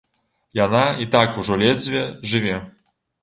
Яна і так ужо ледзьве жыве.